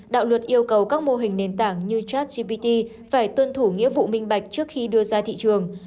đạo luật yêu cầu các mô hình nền tảng như chatgpt phải tuân thủ nghĩa vụ minh bạch trước khi đưa ra thị trường